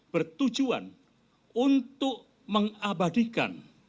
bertujuan untuk mengabadikan